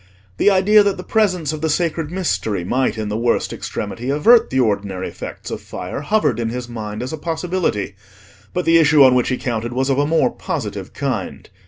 The idea that the presence of the sacred Mystery might in the worst extremity avert the ordinary effects of fire hovered in his mind as a possibility; but the issue on which he counted was of a more positive kind.